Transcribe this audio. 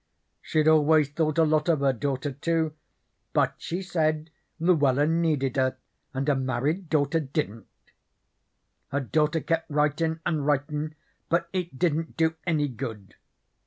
She'd always thought a lot of her daughter, too, but she said Luella needed her and her married daughter didn't. Her daughter kept writin' and writin', but it didn't do any good.